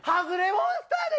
モンスターやん。